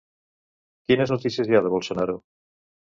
Quines notícies hi ha de Bolsonaro?